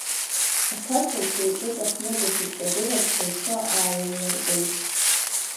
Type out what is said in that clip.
Аҭаца лхы-лҿы ҵәахны дахьыкҿагылаз, лхы аалалырҟәит.